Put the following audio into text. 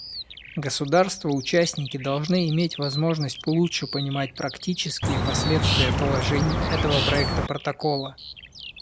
Государства-участники должны иметь возможность лучше понимать практические последствия положений этого проекта протокола.